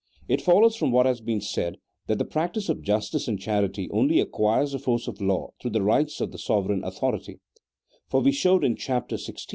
It follows from what has been said, that the practice of justice and charity only acquires the force of law through the rights of the sovereign authority; for we showed in Chapter XVI.